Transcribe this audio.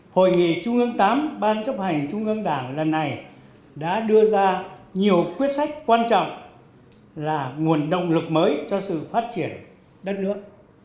hội nghị trung ương viii ban chấp hành trung ương đảng lần này đã đưa ra nhiều quyết sách quan trọng là nguồn động lực mới cho sự phát triển đất nước